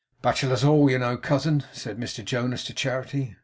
'Bachelor's Hall, you know, cousin,' said Mr Jonas to Charity.